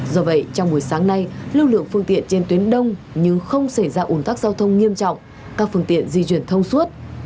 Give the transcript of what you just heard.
do vậy trong buổi sáng nay lưu lượng phương tiện trên tuyến đông nhưng không xảy ra ủn tắc giao thông nghiêm trọng các phương tiện di chuyển thông suốt